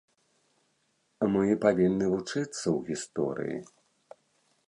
Мы павінны вучыцца ў гісторыі.